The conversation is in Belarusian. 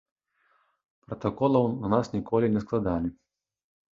Пратаколаў на нас ніколі не складалі.